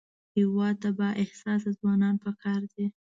هېواد ته بااحساسه ځوانان پکار دي